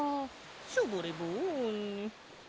ショボレボン。